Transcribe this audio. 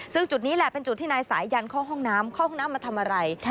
ซึ่งจุดนี้แหละเป็นจุดที่นายสายันเข้าห้องน้ำเข้าห้องน้ำมาทำอะไร